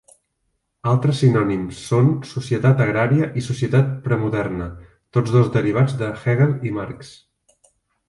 Altres sinònims són societat agrària i societat premoderna, tots dos derivats de Hegel i Marx.